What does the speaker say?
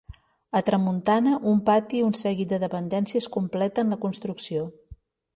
A tramuntana un pati un seguit de dependències completen la construcció.